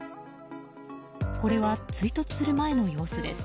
これは、追突する前の様子です。